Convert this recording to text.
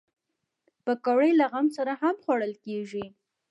پکورې له غم سره هم خوړل کېږي